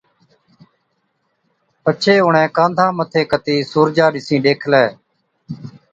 پڇي اُڻهين ڪانڌا مٿِي ڪتِي سُورجا ڏِسِين ڏيکلَي،